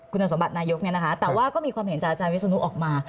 คุณสมบัตินายกแต่ว่าก็มีความเห็นจากอาจารย์วิศนุออกมา